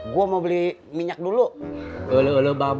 gue mau beli minyak dulu